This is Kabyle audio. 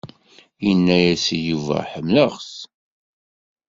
Ini-as i Yuba ḥemmleɣ-t.